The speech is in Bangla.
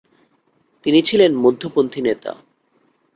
তিনি ছিলেন মধ্যপন্থী নেতা।